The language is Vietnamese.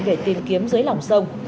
để tìm kiếm dưới lòng sông